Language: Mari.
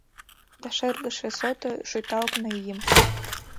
Да шыргыжше сото шӱта окна ийым.